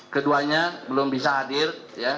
keduanya belum bisa hadir